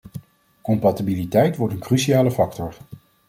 Compatibiliteit wordt een cruciale factor.